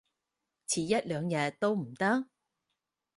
遲一兩日都唔得？